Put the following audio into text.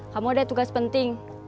kamu ada tugas penting